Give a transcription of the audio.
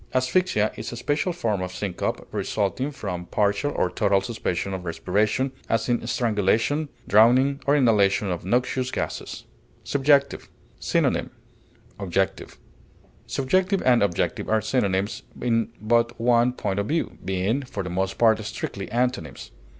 Asphyxia is a special form of syncope resulting from partial or total suspension of respiration, as in strangulation, drowning, or inhalation of noxious gases. SUBJECTIVE. Synonym: objective. Subjective and objective are synonyms in but one point of view, being, for the most part, strictly antonyms.